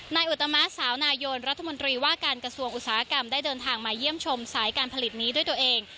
อุตมะสาวนายนรัฐมนตรีว่าการกระทรวงอุตสาหกรรมได้เดินทางมาเยี่ยมชมสายการผลิตนี้ด้วยตัวเอง